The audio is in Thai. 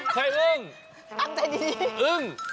แค่อึ้ง